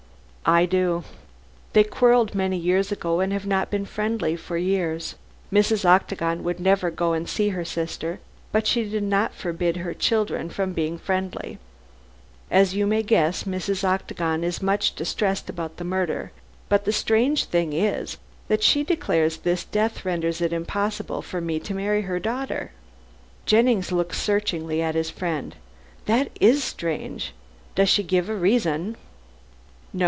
"I do. They quarrelled many years ago, and have not been friendly for years. Mrs. Octagon would never go and see her sister, but she did not forbid her children being friendly. As you may guess, Mrs. Octagon is much distressed about the murder, but the strange thing is that she declares this death renders it impossible for me to marry her daughter." Jennings looked searchingly at his friend. "That is strange. Does she give no reason?" "No.